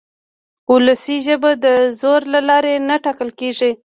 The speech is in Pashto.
وولسي ژبه د زور له لارې نه ټاکل کېږي.